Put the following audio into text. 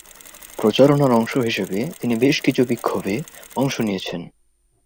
প্রচারণার অংশ হিসেবে তিনি বেশ কিছু বিক্ষোভে অংশ নিয়েছেন।